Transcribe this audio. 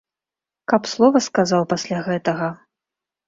Каб слова сказаў пасля гэтага.